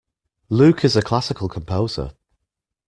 Luke is a classical composer.